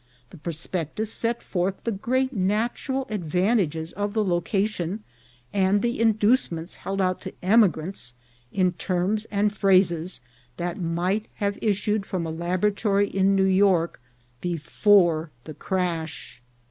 The prospectus set forth the great natural advantages of the location, and the inducements held out to emigrants, in terms and phrases that might have issued from a laboratory in New York before the crash.